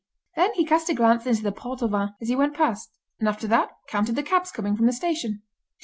Then he cast a glance into the Port aux Vins as he went past, and after that counted the cabs coming from the station.